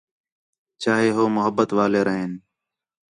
چاہے ہو محبت والے رہین